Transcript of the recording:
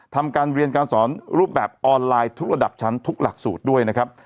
ทำการเรียนการสอนรูปแบบออนไลน์ทุกระดับชั้นทุกหลักสูตรด้วยนะครับ